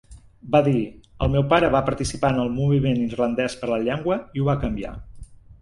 Va dir, El meu pare va participar en el moviment irlandès per la llengua i ho va canviar".